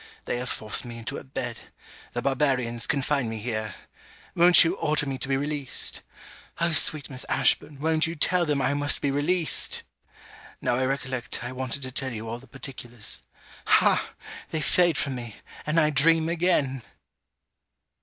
They have forced me into a bed! The barbarians confine me here. Won't you order me to be released? Oh sweet Miss Ashburn, won't you tell them I must be released? Now I recollect I wanted to tell you all the particulars. Ha! they fade from me, and I dream again!